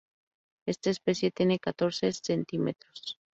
Esta especie tiene catorce cm.